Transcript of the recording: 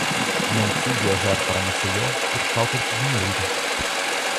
Não fui viajar para Maceió por falta de dinheiro.